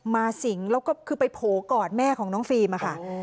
สิงแล้วก็คือไปโผล่กอดแม่ของน้องฟิล์มค่ะ